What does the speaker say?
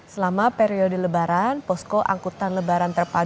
selama periode properly lebaran